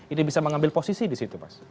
ini bisa mengambil posisi disitu mas